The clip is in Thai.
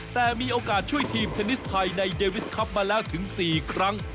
แต่มีโอกาสช่วยทีมเทนนิสไทยในเดวิสครับมาแล้วถึง๔ครั้ง